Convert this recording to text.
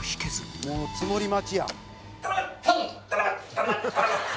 「もうツモり待ちや」